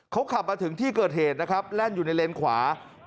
เขาขับมาถึงที่เกิดเหตุนะครับแล่นอยู่ในเลนขวา